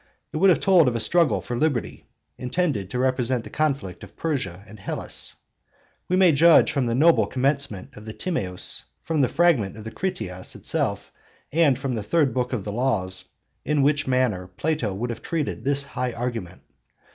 It would have told of a struggle for Liberty (cp. Tim. 25 C), intended to represent the conflict of Persia and Hellas. We may judge from the noble commencement of the Timaeus, from the fragment of the Critias itself, and from the third book of the Laws, in what manner Plato would have treated this high argument.